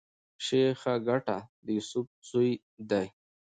شېخ ګټه د يوسف زوی دﺉ.